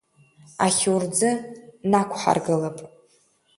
Ахьурӡы нақәҳаргылап.